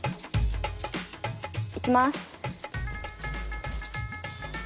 いきます。